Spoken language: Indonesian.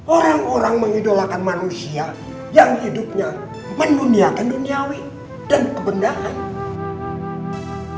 orang orang mengidolakan manusia yang hidupnya menduniakan duniawi dan kebenaran